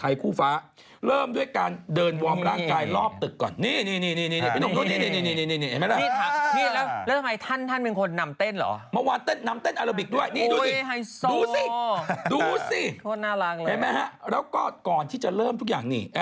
แล้วก็ก่อนให้ที่จะเริ่มทุกอย่างนี่